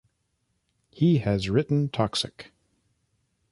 He has written Toxic!